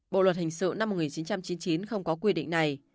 bộ luật hình sự năm một nghìn chín trăm chín mươi chín không có quy định này